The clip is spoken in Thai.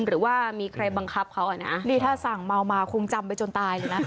หรือว่ามีใครบังคับเขาอ่ะนะนี่ถ้าสั่งเมามาคงจำไปจนตายเลยนะ